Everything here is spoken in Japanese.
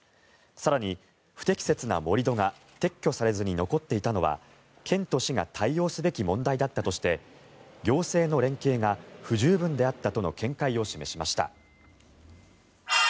更に、不適切な盛り土が撤去されずに残っていたのは県と市が対応すべき問題だったとして行政の連携が不十分であったとの見解を示しました。